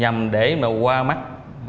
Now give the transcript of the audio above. nhằm để qua mắt